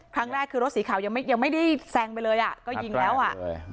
ครั้งแรกคือรถสีขาวยังไม่ยังไม่ได้แซงไปเลยอ่ะก็ยิงแล้วอ่ะ